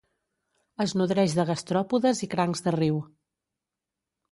Es nodreix de gastròpodes i crancs de riu.